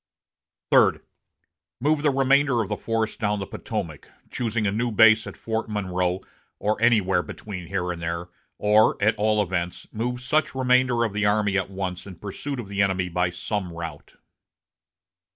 "Third. Move the remainder of the force down the Potomac, choosing a new base at Fort Monroe, or anywhere between here and there; or, at all events, move such remainder of the army at once in pursuit of the enemy by some route."